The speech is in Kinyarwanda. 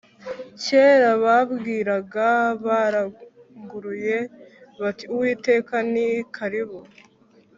kera babwiraga baranguruye bati Uwiteka nikaribu